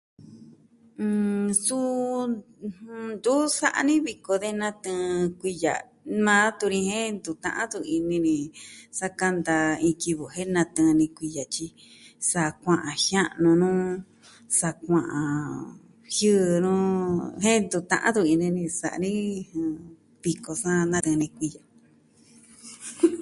Mm, suu ntu sa'a ni viko de natɨɨn kuiya, maa tuni jen ntu ta'an tun ini ni sa kanta iin kivɨ jen natɨɨn ni kuiya, tyi sa kua'an jia'nu nu, sa kua'an... jiɨɨ nu jen ntu ta'an tun ini ni sa'a ni viko sa natɨɨn ni kuiya.